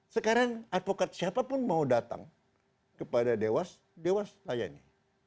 sekarang advokat siapa pun mau datang kepada dewas dewas layaknya